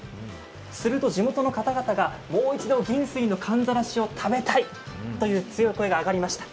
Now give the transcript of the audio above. すると、地元の方々が、もう一度銀水のかんざらしを食べたいという強い声が上がりました。